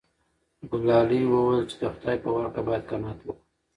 ګلالۍ وویل چې د خدای په ورکړه باید قناعت وکړو.